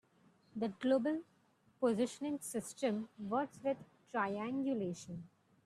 The global positioning system works with triangulation.